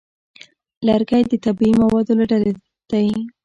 لرګی د طبیعي موادو له ډلې دی.